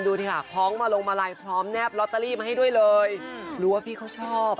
ดูสิค่ะคล้องมาลงมาลัยพร้อมแนบลอตเตอรี่มาให้ด้วยเลยรู้ว่าพี่เขาชอบ